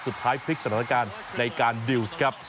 สุดท้ายพลิกสถานการณ์ในการดิวส์ครับ